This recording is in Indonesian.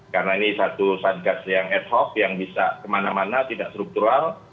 karena ini satu satgas yang ad hoc yang bisa kemana mana tidak struktural